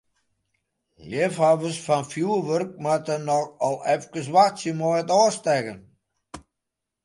Leafhawwers fan fjurwurk moatte noch al efkes wachtsje mei it ôfstekken.